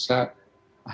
kita harus berpikir